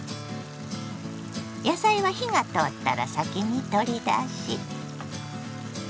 野菜は火が通ったら先に取り出し。